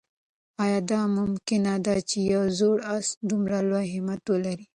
آیا دا ممکنه ده چې یو زوړ آس دومره لوی همت ولري؟